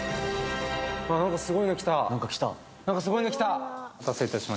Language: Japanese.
何かすごいのきた。